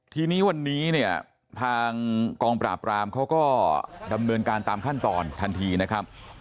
ทีนี้วันนี้เนี่ยทางกองปราบรามเขาก็ดำเนินการตามขั้นตอนทันทีนะครับ